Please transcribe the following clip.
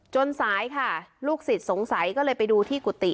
จนซ้ายค่ะลูกศิษย์ทรงไหลก็เลยไปดูที่กุติ